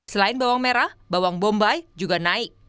selain bawang merah bawang bombay juga naik